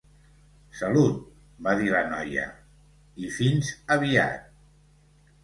Salut, va dir la noia, i fins aviat.